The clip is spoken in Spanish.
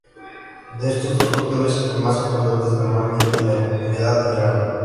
De estos dos factores, el más importante es normalmente la humedad del grano.